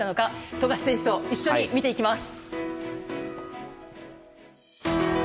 富樫選手と一緒に見ていきます。